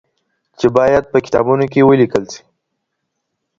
چې باید په کتابونو کې ولیکل شي.